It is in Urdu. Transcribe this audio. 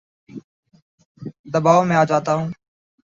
دباو میں آ جاتا ہوں